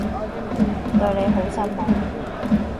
對你好失望